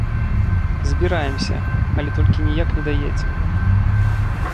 Збіраемся, але толькі ніяк не даедзем.